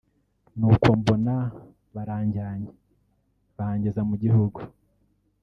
nuko mbona baranjyanye banjyeza mu gihugu